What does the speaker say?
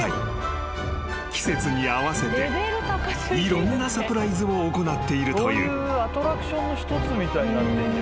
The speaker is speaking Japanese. ［季節に合わせていろんなサプライズを行っているという］